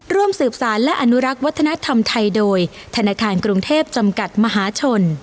ร่วมสืบสารและอนุรักษ์วัฒนธรรมไทยโดยธนาคารกรุงเทพจำกัดมหาชน